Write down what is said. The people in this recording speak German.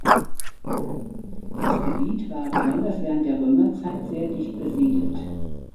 Das Gebiet war besonders während der Römerzeit sehr dicht besiedelt.